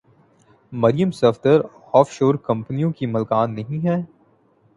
مریم Safdar offshore کمپنیوں کی مالکن نہیں ہیں؟